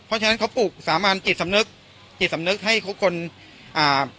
เพราะฉะนั้นเขาปลูกสามัญจิตสำนึกจิตสำนึกให้เขาคนอ่า